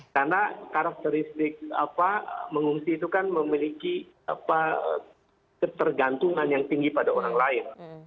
karena karakteristik mengungsi itu kan memiliki ketergantungan yang tinggi pada orang lain